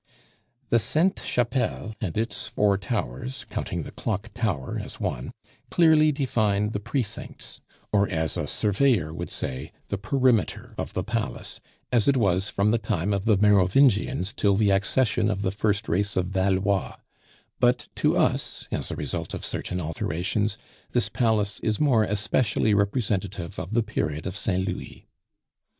The Sainte Chapelle and its four towers counting the clock tower as one clearly define the precincts; or, as a surveyor would say, the perimeter of the Palace, as it was from the time of the Merovingians till the accession of the first race of Valois; but to us, as a result of certain alterations, this Palace is more especially representative of the period of Saint Louis.